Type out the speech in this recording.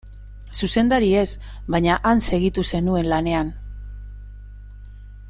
Zuzendari ez, baina han segitu zenuen lanean.